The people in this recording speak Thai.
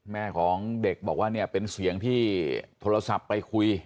แม่ของเด็กบอกว่าเนี่ยเป็นเสียงที่โทรศัพท์ไปคุย